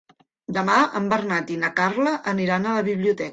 Demà en Bernat i na Carla aniran a la biblioteca.